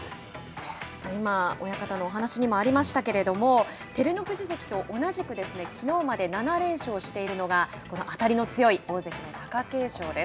今、親方のお話にもありましたけれども照ノ富士関と同じくきのうまで７連勝しているのがこの当たりの強い大関の貴景勝です。